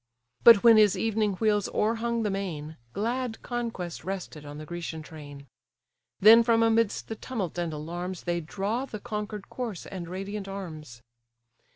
But when his evening wheels o'erhung the main, Glad conquest rested on the Grecian train. Then from amidst the tumult and alarms, They draw the conquer'd corse and radiant arms.